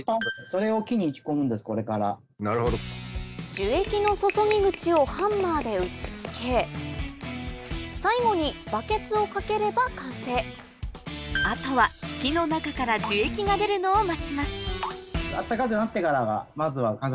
樹液の注ぎ口をハンマーで打ち付け最後にバケツを掛ければ完成あとは木の中から樹液が出るのを待ちます